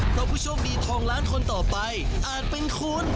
เพราะผู้โชคดีทองล้านคนต่อไปอาจเป็นคุณ